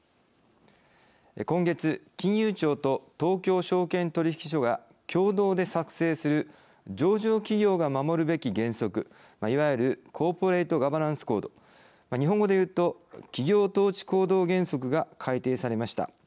今月、金融庁と東京証券取引所が共同で作成する上場企業が守るべき原則いわゆるコーポレイトガバナンス・コード日本語でいうと企業統治行動原則が改訂されました。